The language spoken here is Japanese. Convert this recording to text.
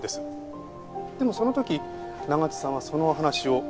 でもその時長津さんはそのお話を断りました。